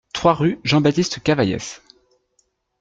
trois rue Jean Baptiste Cavaillés